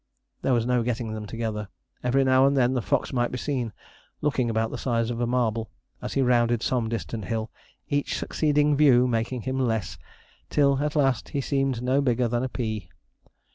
There was no getting them together. Every now and then the fox might be seen, looking about the size of a marble, as he rounded some distant hill, each succeeding view making him less, till, at last, he seemed no bigger than a pea.